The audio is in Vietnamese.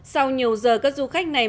sau nhiều giờ các du khách này